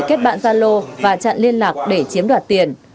kết bạn zalo và chặn liên lạc để chiếm đoạt tiền